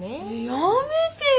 やめてよ。